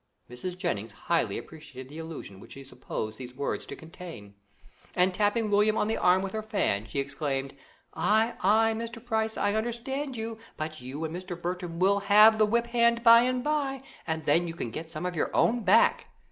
Mrs. Jennings highly appreciated the allusion which she supposed these words to contain, and tapping William on the arm with her fan, she exclaimed: "Ay, ay, Mr. Price, I understand you, but you and Mr. Bertram will have the whip hand by and by, and then you can get some of your own back."